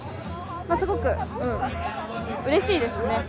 すごく、うれしいですね。